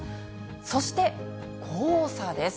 そして、黄砂です。